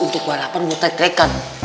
untuk warapan buat rek rekan